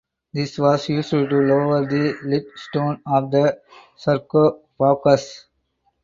This was used to lower the lid stone of the sarcophagus.